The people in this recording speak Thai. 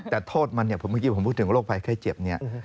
แต่โทษมันเนี่ยผมเมื่อกี้ผมพูดถึงโรคภัยไข้เจ็บเนี่ย